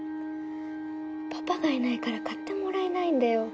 パパがいないから買ってもらえないんだよ